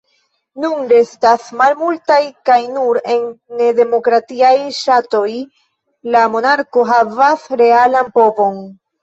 Nun restas malmultaj, kaj nur en nedemokratiaj ŝatoj la monarko havas realan povon.